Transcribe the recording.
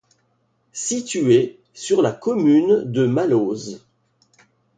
Situé sur la commune de Malause.